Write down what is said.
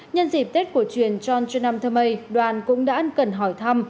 nhân dịp tết của truyền john trinam thơ mây đoàn cũng đã ăn cần hỏi thăm